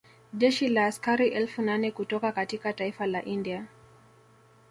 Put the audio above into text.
Jeshi la askari elfu nane kutoka katika taifa la India